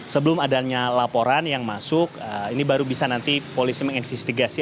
sebelum adanya laporan yang masuk ini baru bisa nanti polisi menginvestigasi